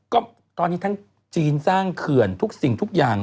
ก็ตอนนี้ทั้งจีนสร้างเขื่อนทุกสิ่งทุกอย่าง